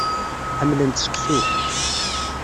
Ḥemmlent seksu.